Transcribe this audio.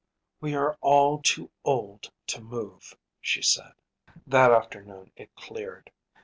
“We are all too old to move,‚ÄĚ she said. That afternoon it cleared.